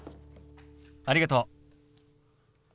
ありがとう。